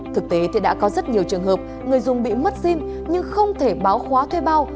thực tế thì đã có rất nhiều trường hợp người dùng bị mất sim nhưng không thể báo khóa thuê bao